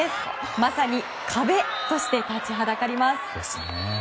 まさに壁として立ちはだかります。